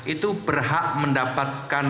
itu berhak mendapatkan